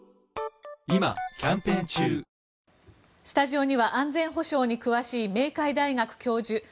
スタジオには安全保障に詳しい明海大学教授